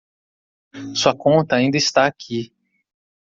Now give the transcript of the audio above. Sua conta ainda está aqui.